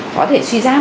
có thể suy giáp